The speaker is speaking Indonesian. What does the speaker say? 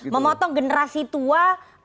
memotong generasi tua